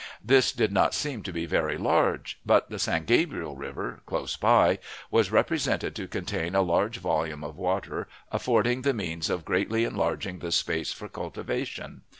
This did not seem to be very large; but the San Gabriel River, close by, was represented to contain a larger volume of water, affording the means of greatly enlarging the space for cultivation.